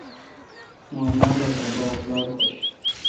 مہ انر دا پہ دراݭ باڑ خوش۔